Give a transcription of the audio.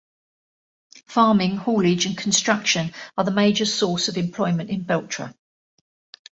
Farming, haulage and construction are the major source of employment in Beltra.